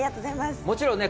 もちろんね